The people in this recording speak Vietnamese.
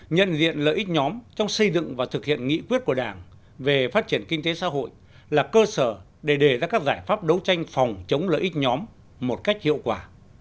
nhận diện lợi ích nhóm trong xây dựng và thực hiện nghị quyết của đảng về phát triển kinh tế xã hội là cơ sở để đề ra các giải pháp đấu tranh phòng chống lợi ích nhóm một cách hiệu quả